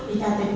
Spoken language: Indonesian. ikut di ktp